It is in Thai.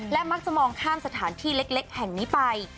และมักจะมองข้ามสถานที่เล็กแห่งนี้ไป